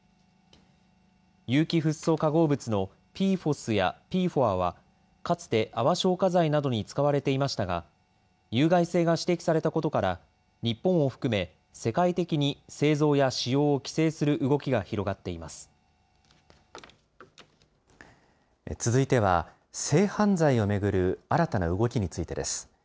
有機フッ素化合物のＰＦＯＳやＰＦＯＡは、かつて泡消火剤などに使われていましたが、有害性が指摘されたことから、日本を含め、世界的に製造や使用を規制する動きが広がっ続いては、性犯罪を巡る新たな動きについてです。